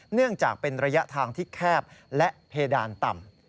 เนื่องจากเป็นระยะทางที่แคบและเพดานต่ำ